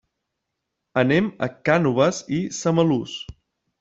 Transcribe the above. Anem a Cànoves i Samalús.